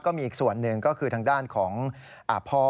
อีกส่วนหนึ่งก็คือทางด้านของพ่อ